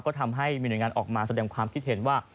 ก็ทำให้มีหน่วยงานออกมาแสดงความคิดเห็นว่า